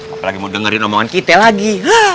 apalagi mau dengerin omongan kita lagi